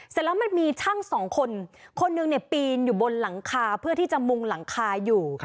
เสร็จแล้วมันมีช่างสองคนคนหนึ่งปีนอยู่บนหลังคาเพื่อที่จะมุงหลังคาอยู่